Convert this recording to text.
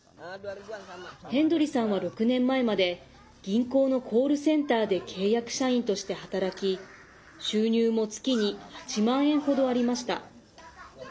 ヘンドリさんは６年前まで銀行のコールセンターで契約社員として働き収入も月に８万円程ありました。